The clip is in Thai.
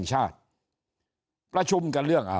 ถ้าท่านผู้ชมติดตามข่าวสาร